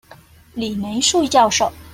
李梅樹教授